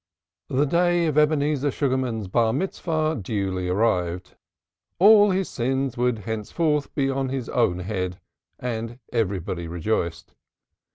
The day of Ebenezer Sugarman's Bar mitzvah duly arrived. All his sins would henceforth be on his own head and everybody rejoiced.